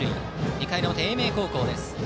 ２回の表、英明高校です。